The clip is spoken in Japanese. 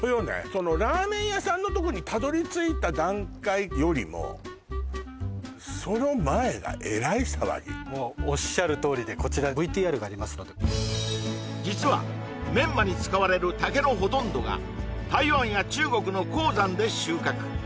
そのラーメン屋さんのとこにたどり着いた段階よりもその前がえらい騒ぎもうおっしゃるとおりでこちらＶＴＲがありますので実はメンマに使われる竹のほとんどが台湾や中国の高山で収穫